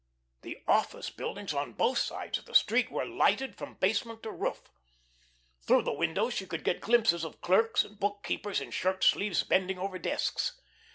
The office buildings on both sides of the street were lighted from basement to roof. Through the windows she could get glimpses of clerks and book keepers in shirt sleeves bending over desks.